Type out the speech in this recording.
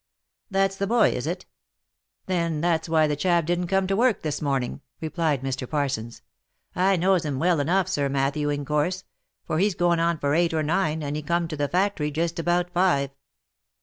*' That's the boy, is it ?— Then that's why the chap didn't come D 34 THE LIFE AND ADVENTURES to work this morning," replied Mr. Parsons ; "I knows him well enough, Sir Matthew, in course ; for he's going on for eight or nine, and he corned to the factory just about five."